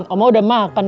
oma udah makan